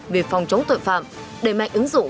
về phòng chống tội phạm đề mạnh ứng dụng